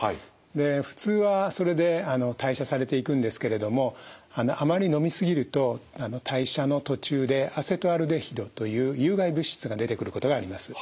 で普通はそれで代謝されていくんですけれどもあまり飲み過ぎると代謝の途中でアセトアルデヒドという有害物質が出てくることがあります。